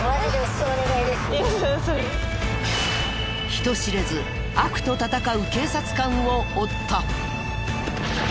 人知れず悪と闘う警察官を追った。